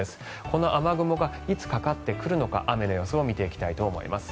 この雨雲がいつかかってくるのか雨の予想を見ていきたいと思います。